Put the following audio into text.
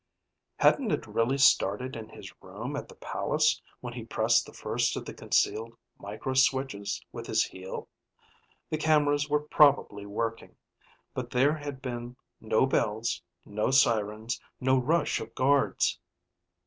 Hadn't it really started in his room at the palace, when he pressed the first of the concealed micro switches with his heel? The cameras were probably working, but there had been no bells, no sirens, no rush of guards.